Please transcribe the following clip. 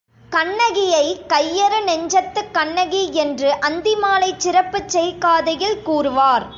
கண்ணகியைக் கையறு நெஞ்சத்துக் கண்ணகி என்று அந்தி மாலைச் சிறப்புச் செய் காதையில் கூறுவார்.